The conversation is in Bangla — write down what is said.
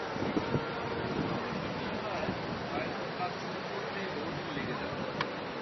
প্রশাসনিক জটিলতার ভয়ানক কাজ শুরু করতেই বহুদিন লেগে যাবে।